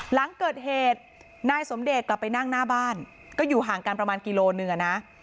หลังเกิดเหตุนายสมเดชกลับไปนั่งหน้าบ้านก็อยู่ห่างกันประมาณกิโลหนึ่งอ่ะนะ